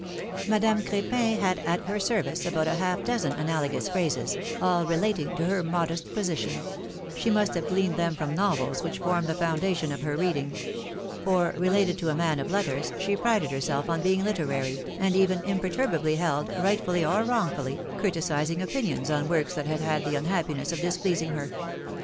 '^ Madame Crepin had at her service about a half dozen analogous phrases, all relating to her modest position ; she must have gleaned them from novels, which formed the foundation of her reading; for, related to a man of letters, she prided herself on being literary, and even imperturbably held, rightfully or wrongfully, criticising opinions on works that had had the unhappiness of displeasing her.